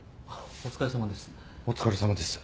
お疲れさまです。